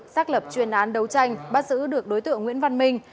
xác lập chuyên án đấu tranh bắt giữ được đối tượng nguyễn văn minh